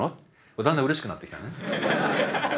だんだんうれしくなってきたんですね。